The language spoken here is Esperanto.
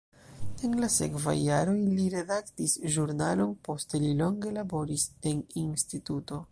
En la sekvaj jaroj li redaktis ĵurnalon, poste li longe laboris en instituto.